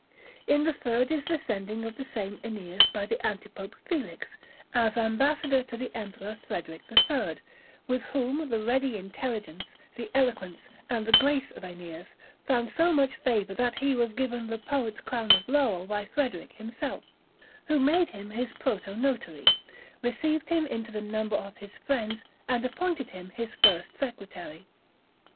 In the third is the sending of the same Æneas by the Antipope Felix as ambassador to the Emperor Frederick III, with whom the ready intelligence, the eloquence, and the grace of Æneas found so much favour that he was given the poet's crown of laurel by Frederick himself, who made him his Protonotary, received him into the number of his friends, and appointed him his First Secretary.